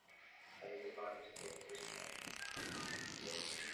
Dospělí motýli se objevují od konce května do počátku července.